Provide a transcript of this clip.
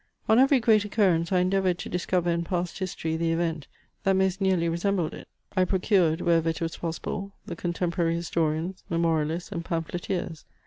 On every great occurrence I endeavoured to discover in past history the event, that most nearly resembled it. I procured, wherever it was possible, the contemporary historians, memorialists, and pamphleteers.